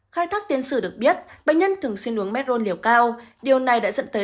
khai thác tiến sử được biết bệnh nhân thường xuyên uống medron liều cao điều này đã dẫn tới